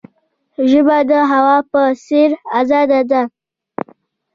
ژبه د هوا په څیر آزاده ده.